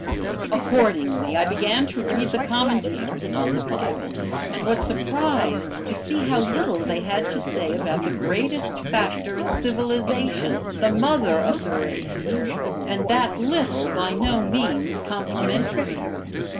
Accordingly, I began to read the commentators on the Bible and was surprised to see how little they had to say about the greatest factor in civilization, the mother of the race, and that little by no means complimentary.